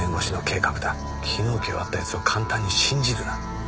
昨日今日会った奴を簡単に信じるな。